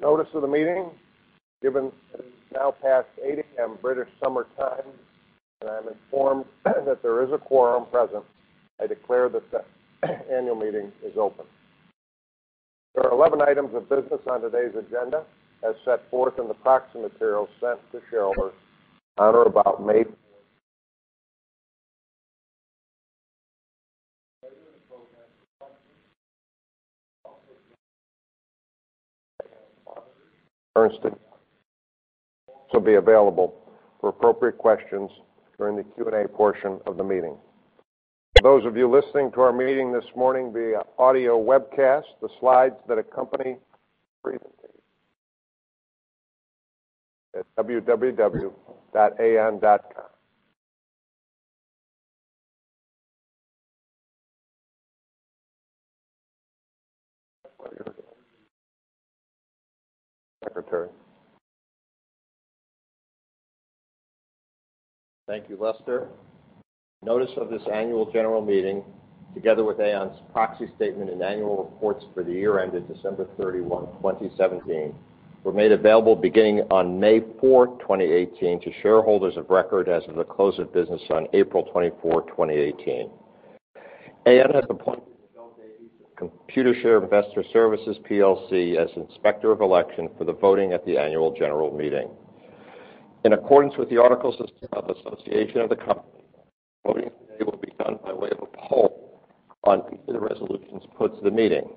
The notice of the meeting given it is now past 8:00 A.M. British Summer Time. I'm informed that there is a quorum present. I declare that the annual meeting is open. There are 11 items of business on today's agenda, as set forth in the proxy materials sent to shareholders on or about May. Later in the program Ernst & Young will be available for appropriate questions during the Q&A portion of the meeting. For those of you listening to our meeting this morning via audio webcast, the slides that accompany the presentation at www.aon.com. Secretary. Thank you, Lester. Notice of this annual general meeting, together with Aon's proxy statement and annual reports for the year ended December 31, 2017, were made available beginning on May 4, 2018, to shareholders of record as of the close of business on April 24, 2018. Aon has appointed Miguel Davies of Computershare Investor Services PLC as Inspector of Election for the voting at the annual general meeting. In accordance with the articles of association of the company, voting today will be done by way of a poll on each of the resolutions put to the meeting.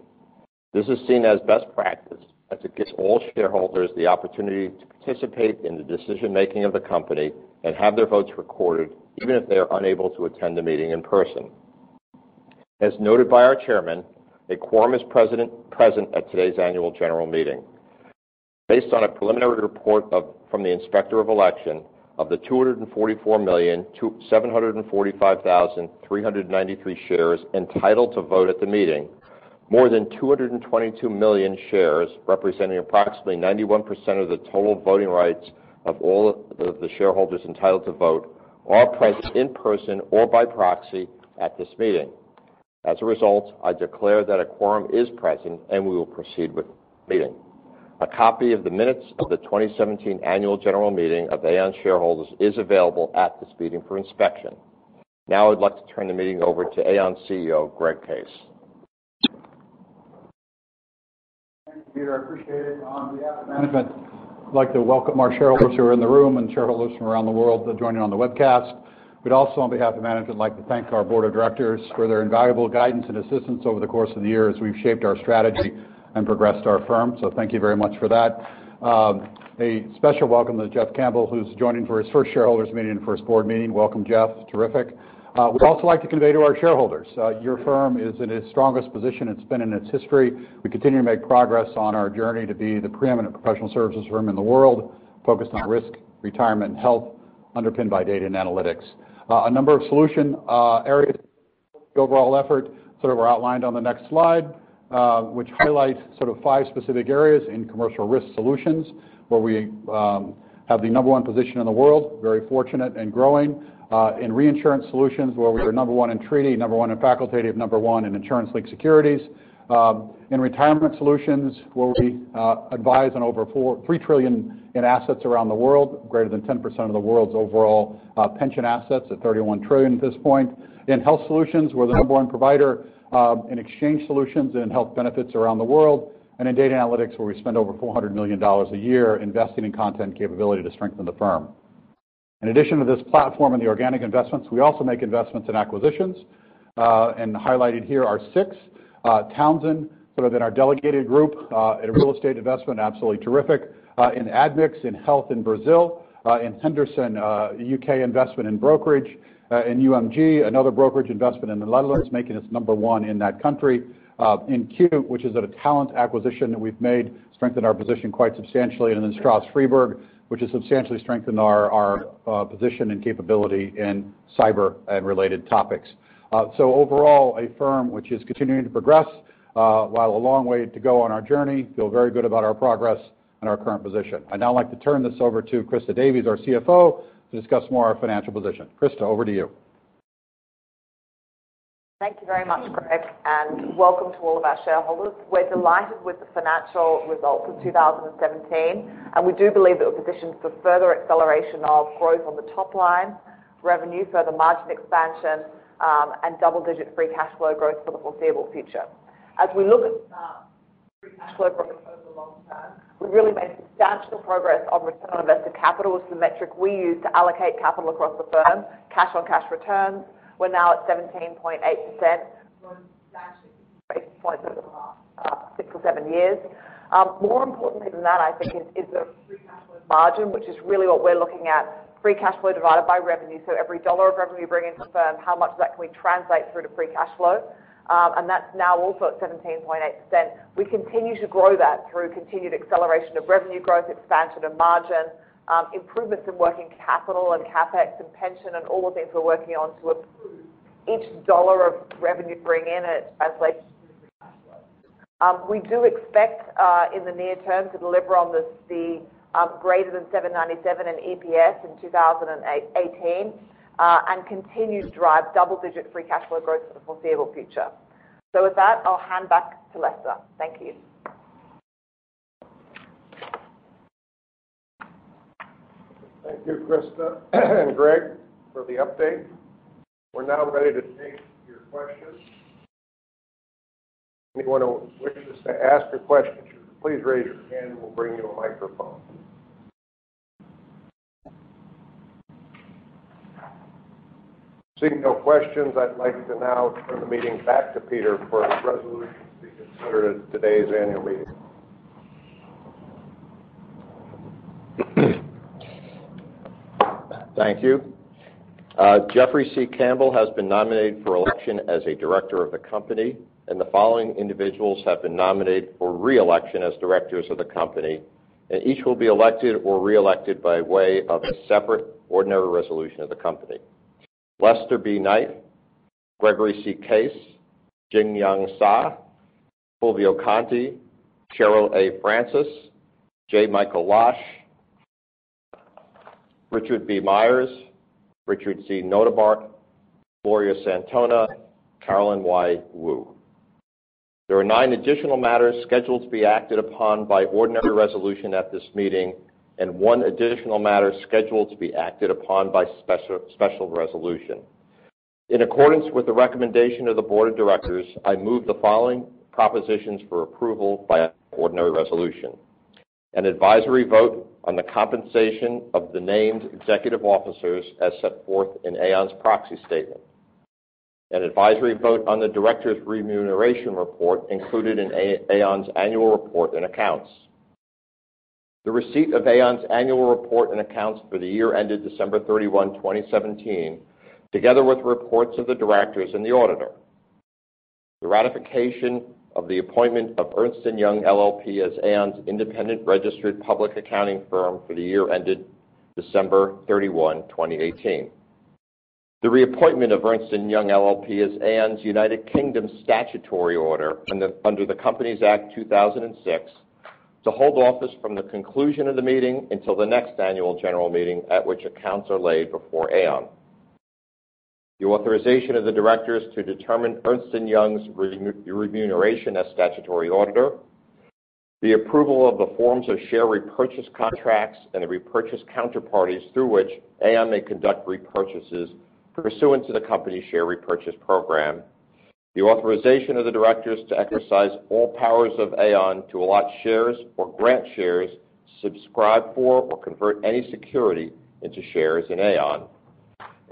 This is seen as best practice, as it gives all shareholders the opportunity to participate in the decision-making of the company and have their votes recorded, even if they are unable to attend the meeting in person. As noted by our chairman, a quorum is present at today's annual general meeting. Based on a preliminary report from the Inspector of Election, of the 244,745,393 shares entitled to vote at the meeting, more than 222 million shares, representing approximately 91% of the total voting rights of all of the shareholders entitled to vote, are present in person or by proxy at this meeting. As a result, I declare that a quorum is present. We will proceed with the meeting. A copy of the minutes of the 2017 annual general meeting of Aon shareholders is available at this meeting for inspection. I'd like to turn the meeting over to Aon CEO Greg Case. Thank you. I appreciate it. On behalf of management, I'd like to welcome our shareholders who are in the room and shareholders from around the world that joined in on the webcast. We'd also, on behalf of management, like to thank our board of directors for their invaluable guidance and assistance over the course of the year as we've shaped our strategy and progressed our firm. Thank you very much for that. A special welcome to Jeff Campbell, who's joining for his first shareholders meeting and first board meeting. Welcome, Jeff. Terrific. We'd also like to convey to our shareholders, your firm is in its strongest position it's been in its history. We continue to make progress on our journey to be the preeminent professional services firm in the world, focused on risk, retirement, and health, underpinned by data and analytics. A number of solution areas the overall effort sort of are outlined on the next slide, which highlights five specific areas in Commercial Risk Solutions, where we have the number one position in the world, very fortunate and growing. In Reinsurance Solutions, where we are number one in treaty, number one in facultative, number one in Insurance-Linked Securities. In Retirement Solutions, where we advise on over $3 trillion in assets around the world, greater than 10% of the world's overall pension assets at $31 trillion at this point. In Health Solutions, we're the number one provider in Exchange Solutions and in health benefits around the world. In data analytics, where we spend over $400 million a year investing in content capability to strengthen the firm. In addition to this platform and the organic investments, we also make investments in acquisitions. Highlighted here are six. Townsend within our delegated group in a real estate investment, absolutely terrific. In Admix, in health in Brazil. In Henderson, U.K. investment in brokerage. In UMG, another brokerage investment in the Netherlands, making us number one in that country. In cut-e, which is a talent acquisition that we've made, strengthened our position quite substantially. Stroz Friedberg, which has substantially strengthened our position and capability in cyber and related topics. Overall, a firm which is continuing to progress. While a long way to go on our journey, feel very good about our progress and our current position. I'd now like to turn this over to Christa Davies, our CFO, to discuss more our financial position. Christa, over to you. Thank you very much, Greg, and welcome to all of our shareholders. We're delighted with the financial results of 2017, and we do believe that we're positioned for further acceleration of growth on the top line, revenue, further margin expansion, and double-digit free cash flow growth for the foreseeable future. As we look at free cash flow growth over the long term, we've really made substantial progress on return on invested capital as the metric we use to allocate capital across the firm. Cash on cash returns, we're now at 17.8%, the most substantial increase over the last six or seven years. More importantly than that, I think, is the free cash flow margin, which is really what we're looking at. Free cash flow divided by revenue. Every dollar of revenue we bring into the firm, how much of that can we translate through to free cash flow? That's now also at 17.8%. We continue to grow that through continued acceleration of revenue growth, expansion of margin, improvements in working capital and CapEx and pension and all the things we're working on to improve each dollar of revenue to bring in, it translates into free cash flow. We do expect in the near term to deliver on this, the greater than $7.97 in EPS in 2018, and continue to drive double-digit free cash flow growth for the foreseeable future. With that, I'll hand back to Lester. Thank you. Thank you, Christa and Greg for the update. We're now ready to take your questions. Anyone who wishes to ask a question, please raise your hand and we'll bring you a microphone. Seeing no questions, I'd like to now turn the meeting back to Peter for his resolutions to be considered at today's annual meeting. Thank you. Jeffrey C. Campbell has been nominated for election as a director of the company. The following individuals have been nominated for re-election as directors of the company. Each will be elected or re-elected by way of a separate ordinary resolution of the company, Lester B. Knight, Gregory C. Case, Jin-Yong Cai, Fulvio Conti, Cheryl A. Francis, J. Michael Losh, Richard B. Myers, Richard C. Notebaert, Gloria Santona, Carolyn Woo. There are nine additional matters scheduled to be acted upon by ordinary resolution at this meeting. One additional matter scheduled to be acted upon by special resolution. In accordance with the recommendation of the board of directors, I move the following propositions for approval by an ordinary resolution. An advisory vote on the compensation of the named executive officers as set forth in Aon's proxy statement. An advisory vote on the directors' remuneration report included in Aon's annual report and accounts. The receipt of Aon's annual report and accounts for the year ended December 31, 2017, together with reports of the directors and the auditor. The ratification of the appointment of Ernst & Young LLP as Aon's independent registered public accounting firm for the year ended December 31, 2018. The reappointment of Ernst & Young LLP as Aon's United Kingdom statutory auditor under the Companies Act 2006 to hold office from the conclusion of the meeting until the next annual general meeting at which accounts are laid before Aon. The authorization of the directors to determine Ernst & Young's remuneration as statutory auditor. The approval of the forms of share repurchase contracts and the repurchase counterparties through which Aon may conduct repurchases pursuant to the company's share repurchase program. The authorization of the directors to exercise all powers of Aon to allot shares or grant shares, subscribe for or convert any security into shares in Aon.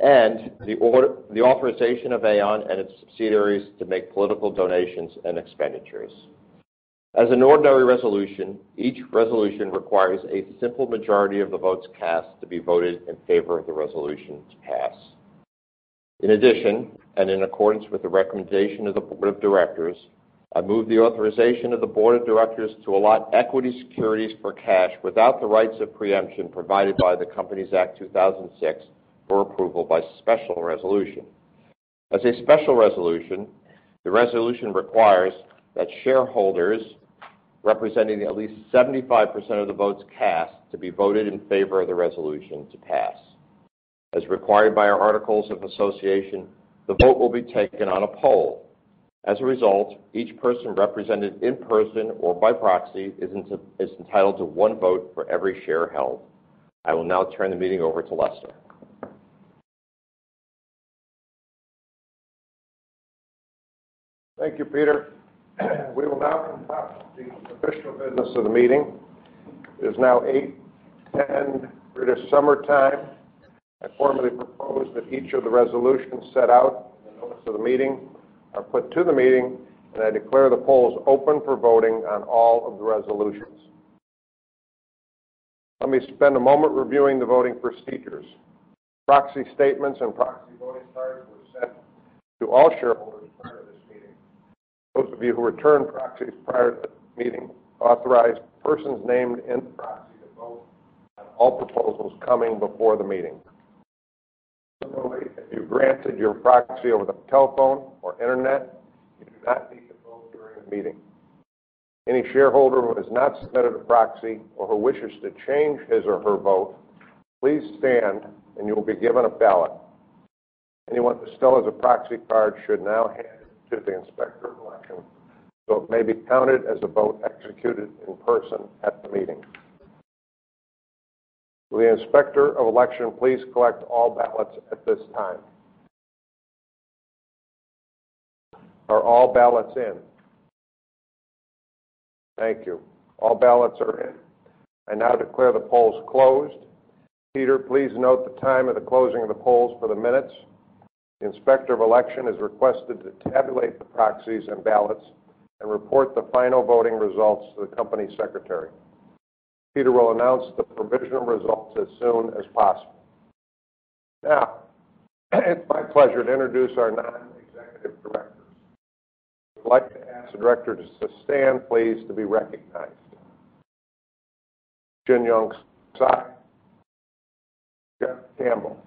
The authorization of Aon and its subsidiaries to make political donations and expenditures. As an ordinary resolution, each resolution requires a simple majority of the votes cast to be voted in favor of the resolution to pass. In addition, in accordance with the recommendation of the board of directors, I move the authorization of the board of directors to allot equity securities for cash without the rights of preemption provided by the Companies Act 2006 for approval by special resolution. As a special resolution, the resolution requires that shareholders representing at least 75% of the votes cast to be voted in favor of the resolution to pass. As required by our articles of association, the vote will be taken on a poll. As a result, each person represented in person or by proxy is entitled to one vote for every share held. I will now turn the meeting over to Lester. Thank you, Peter. We will now conduct the official business of the meeting. It is now 8:10 A.M. British Summer Time. I formally propose that each of the resolutions set out in the notice of the meeting are put to the meeting. I declare the polls open for voting on all of the resolutions. Let me spend a moment reviewing the voting procedures. Proxy statements and proxy voting cards were sent to all shareholders prior to this meeting. Those of you who returned proxies prior to this meeting authorized the persons named in the proxy to vote on all proposals coming before the meeting. Similarly, if you granted your proxy over the telephone or internet, you do not need to vote during the meeting. Any shareholder who has not submitted a proxy or who wishes to change his or her vote, please stand and you will be given a ballot. Anyone who still has a proxy card should now hand it to the Inspector of Election so it may be counted as a vote executed in person at the meeting. Will the Inspector of Election please collect all ballots at this time. Are all ballots in? Thank you. All ballots are in. I now declare the polls closed. Peter, please note the time of the closing of the polls for the minutes. The Inspector of Election is requested to tabulate the proxies and ballots and report the final voting results to the company secretary. Peter will announce the provisional results as soon as possible. Now, it's my pleasure to introduce our non-executive directors. I would like to ask the directors to stand please to be recognized. Jin-Yong Cai. Jeff Campbell.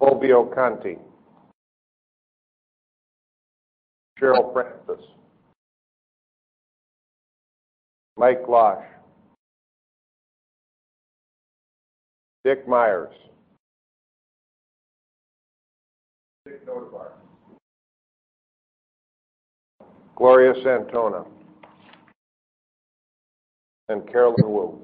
Fulvio Conti. Cheryl Francis. Mike Losh. Dick Myers. Dick Notebaert. Gloria Santona. Carolyn Woo.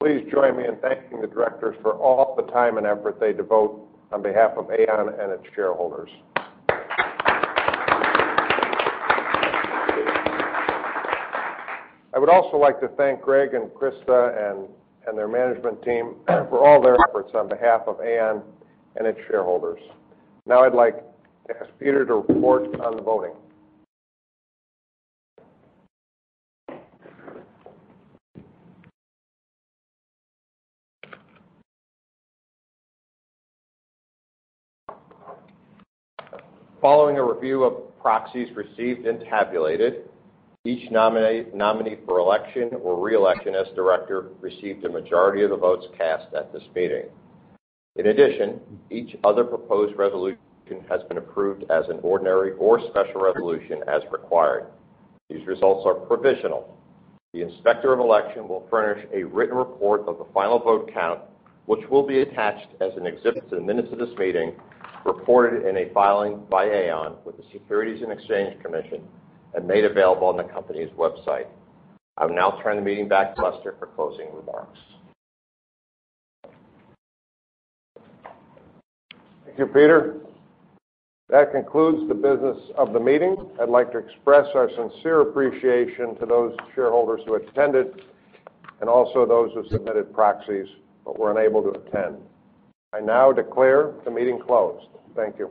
Please join me in thanking the directors for all the time and effort they devote on behalf of Aon and its shareholders. I would also like to thank Greg and Christa and their management team for all their efforts on behalf of Aon and its shareholders. Now I'd like to ask Peter to report on the voting. Following a review of proxies received and tabulated, each nominee for election or re-election as director received a majority of the votes cast at this meeting. In addition, each other proposed resolution has been approved as an ordinary or special resolution as required. These results are provisional. The Inspector of Election will furnish a written report of the final vote count, which will be attached as an exhibit to the minutes of this meeting, reported in a filing by Aon with the Securities and Exchange Commission and made available on the company's website. I will now turn the meeting back to Lester for closing remarks. Thank you, Peter. That concludes the business of the meeting. I'd like to express our sincere appreciation to those shareholders who attended, and also those who submitted proxies but were unable to attend. I now declare the meeting closed. Thank you.